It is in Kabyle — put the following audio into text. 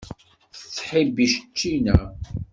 Tettḥibbi ččina.